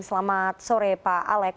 selamat sore pak alex